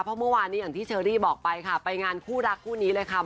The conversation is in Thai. เมื่อวานที่เชอรี่บอกไป้งานคู่รักคู่นี้เลยค่ะ